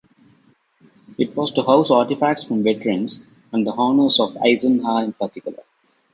It was to house artifacts from veterans, and the honors of Eisenhower in particular.